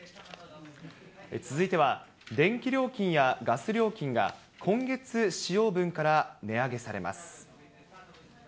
続いては、電気料金やガス料金が今月使用分から値上げされます。